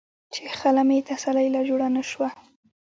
چې خله مې تسلۍ له جوړه نۀ شوه ـ